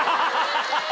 ハハハハ！